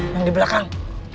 yang di belakang